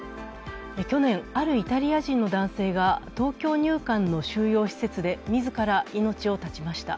去年あるイタリア人の男性が東京入管の収容施設で自ら命を絶ちました。